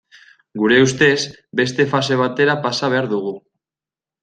Gure ustez, beste fase batera pasa behar dugu.